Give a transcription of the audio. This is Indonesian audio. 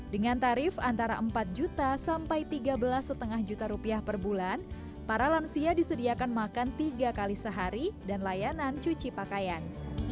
dengan tarif antara empat juta sampai tiga belas lima juta rupiah per bulan para lansia disediakan makan tiga kali sehari dan layanan cuci pakaian